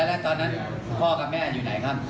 แล้วตอนนั้นพ่อกับแม่อยู่ไหนครับ